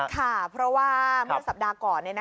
ค่ะเพราะว่าเมื่อสัปดาห์ก่อน